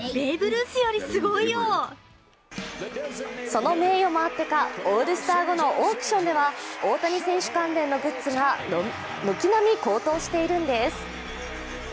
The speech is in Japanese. その名誉もあってか、オールスター後のオークションでは大谷選手関連のグッズが軒並み高騰しているんです。